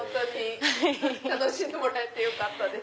楽しんでもらえてよかったです。